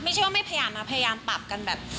ไม่ใช่ว่าไม่พยายามนะพยายามปรับกันแบบ